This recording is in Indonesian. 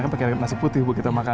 pakai nasi putih buat kita makan